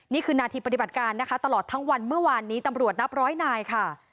นี่คือนาทีปฏิบัติการนะคะตลอดทั้งวันเมื่อวานนี้ตำรวจนับร้อยนายค่ะ